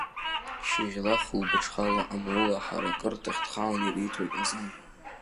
Шьыжьла, хәылбыҽхала амула аҳаракырҭахь дхалан ириҭоит азан.